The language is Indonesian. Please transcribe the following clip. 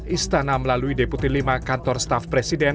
istana melalui deputi lima kantor staff presiden